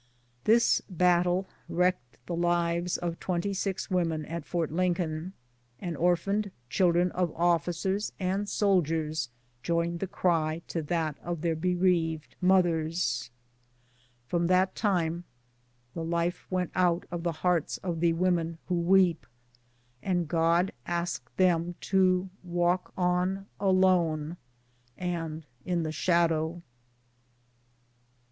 This battle wrecked the lives of twenty six women at Fort Lincoln, and orphaned children of ofiicers and soldiers joined their cry to that of their bereaved mothers. OUR LIFE'S LAST CIIArTER. 269 From tliat time the life went out of the hearts of tlie " women who weep," and God asked them to walk on alone and in the shadow.